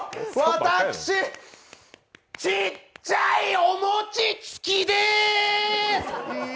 私、ちっちゃいお餅つきでーす。